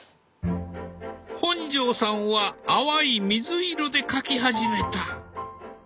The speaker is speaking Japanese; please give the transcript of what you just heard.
本上さんは淡い水色で描き始めた。